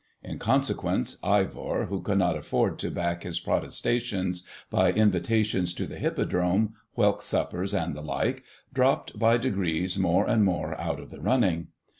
In consequence, Ivor, who could not afford to back his protestations by invitations to the Hippodrome, whelk suppers, and the like, dropped by degrees more and more out of the running.